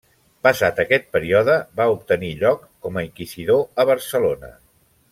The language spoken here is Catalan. Passat aquest període, va obtenir lloc com a inquisidor a Barcelona.